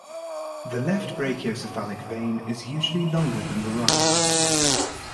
The left brachiocephalic vein is usually longer than the right.